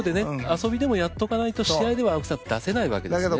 遊びでもやっとかないと試合では青木さん出せないわけですね。